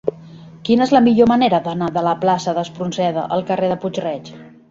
Quina és la millor manera d'anar de la plaça d'Espronceda al carrer de Puig-reig?